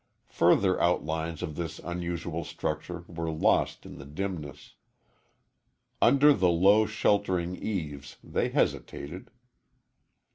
Further outlines of this unusual structure were lost in the dimness. Under the low, sheltering eaves they hesitated.